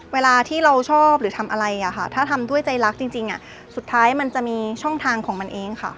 เวลาที่เราชอบหรือทำอะไรถ้าทำด้วยใจรักจริงสุดท้ายมันจะมีช่องทางของมันเองค่ะ